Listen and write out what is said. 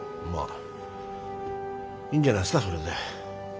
まあいいんじゃないですかそれで。